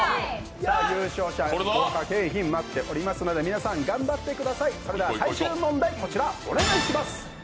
優勝者には豪華景品が待っていますので、皆さん頑張ってください、それでは最終問題お願いします。